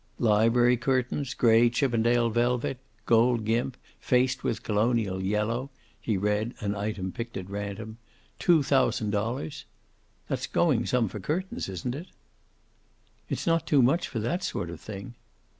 "Library curtains, gray Chippendale velvet, gold gimp, faced with colonial yellow," he read an item picked at random, "two thousand dollars! That's going some for curtains, isn't it?" "It's not too much for that sort of thing."